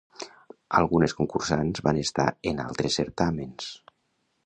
Algunes concursants van estar en altres certàmens.